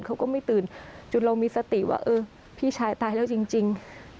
เขาก็ไม่ตื่นจนเรามีสติว่าเออพี่ชายตายแล้วจริง